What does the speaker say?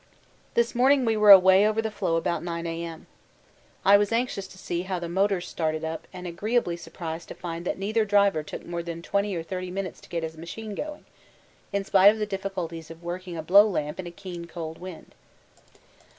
This morning we were away over the floe about 9 A.M. I was anxious to see how the motors started up and agreeably surprised to find that neither driver took more than 20 to 30 minutes to get his machine going, in spite of the difficulties of working a blow lamp in a keen cold wind.